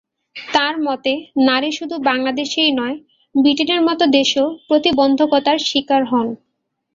তাঁর মতে, নারী শুধু বাংলাদেশেই নয়, ব্রিটেনের মতো দেশেও প্রতিবন্ধকতার শিকার হন।